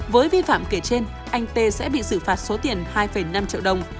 với vi phạm kể trên anh tê sẽ bị xử phạt số tiền hai năm triệu đồng